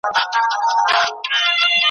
هر ناحق ته حق ویل دوی ته آسان وه `